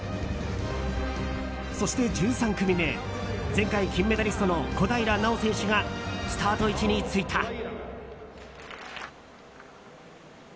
そして１３組目前回、金メダリストの小平奈緒選手がスタート位置についた。